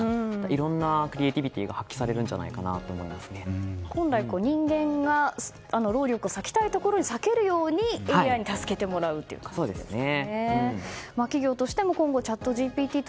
いろんなクリエイティビティーが本来、人間が労力を割きたいところに割けるようにＡＩに助けてもらうということですね。